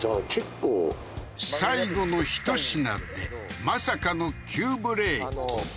最後のひと品でまさかの急ブレーキ